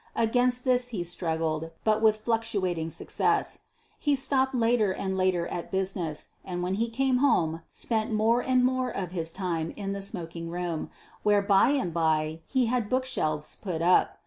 Against this he struggled, but with fluctuating success. He stopped later and later at business, and when he came home spent more and more of his time in the smoking room, where by and by he had bookshelves put up.